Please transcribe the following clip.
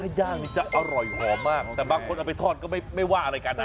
ย่างนี่จะอร่อยหอมมากแต่บางคนเอาไปทอดก็ไม่ว่าอะไรกันนะ